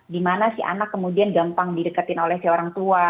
dimana si anak kemudian gampang didekatin oleh si orang tua